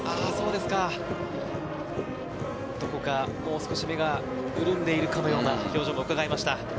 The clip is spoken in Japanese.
少し目が潤んでいるかのような表情も、うかがえました。